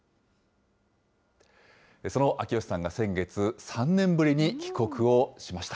その秋吉さんが先月、３年ぶりに帰国しました。